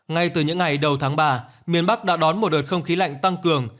ngay từ những ngày đầu tháng ba miền bắc đã đón một đợt không khí lạnh tăng cường